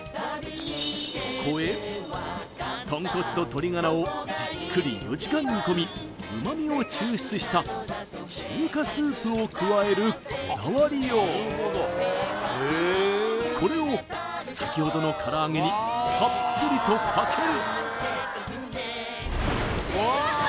そこへ豚骨と鶏ガラをじっくり４時間煮込み旨みを抽出した中華スープを加えるこだわりようこれを先ほどの唐揚げにたっぷりとかける！